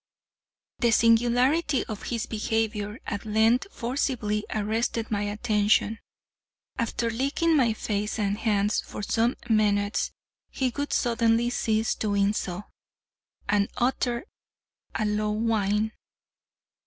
The singularity of his behavior at length forcibly arrested my attention. After licking my face and hands for some minutes, he would suddenly cease doing so, and utter a low whine.